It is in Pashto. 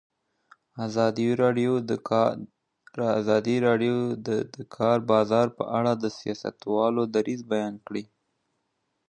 ازادي راډیو د د کار بازار په اړه د سیاستوالو دریځ بیان کړی.